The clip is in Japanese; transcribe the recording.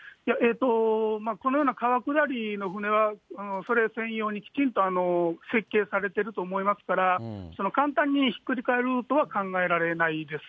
このような川下りの舟は、それ専用に、きちんと設計されてると思いますから、簡単にひっくり返るとは考えられないです。